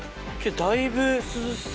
だいぶ涼しさは。